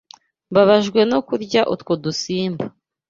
Mbabajwe no kurya utwo dusimba.